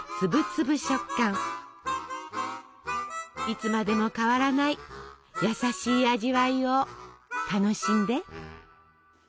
いつまでも変わらない優しい味わいを楽しんで。